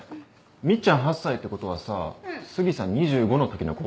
ミッちゃん８歳ってことはさ杉さん２５の時の子？